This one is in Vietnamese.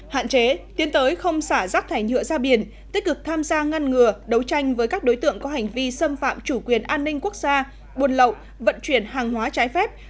hạn chế tiến tới không xả rác thải nhựa ra biển tích cực tham gia ngăn ngừa đấu tranh với các đối tượng có hành vi xâm phạm chủ quyền an ninh quốc gia buồn lậu vận chuyển hàng hóa trái phép